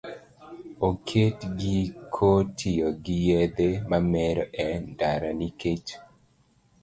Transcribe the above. Oket giko tiyo gi yedhe mamero e ndara nikech